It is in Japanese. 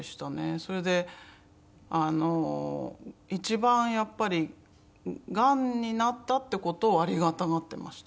それで一番やっぱりがんになったって事をありがたがってました。